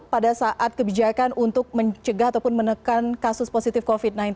pada saat kebijakan untuk mencegah ataupun menekan kasus positif covid sembilan belas